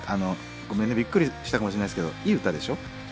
ごめんねびっくりしたかもしれないですけどいい歌でしょ？